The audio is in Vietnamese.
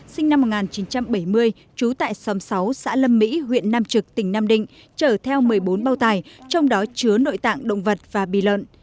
sinh năm một nghìn chín trăm bảy mươi trú tại xóm sáu xã lâm mỹ huyện nam trực tỉnh nam định chở theo một mươi bốn bao tải trong đó chứa nội tạng động vật và bì lợn